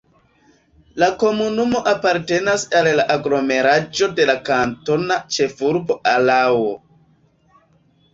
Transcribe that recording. La komunumo apartenas al la aglomeraĵo de la kantona ĉefurbo Araŭo.